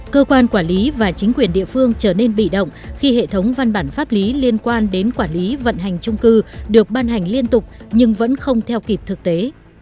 cơ quan quản lý và chính quyền địa phương trở nên bị động khi hệ thống văn bản pháp lý liên quan đến quản lý vận hành trung cư được ban hành liên tục nhưng vẫn không theo kịp thực tế